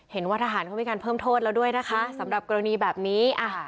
เห็นว่าทหารเขามีการเพิ่มโทษแล้วด้วยนะคะสำหรับกรณีแบบนี้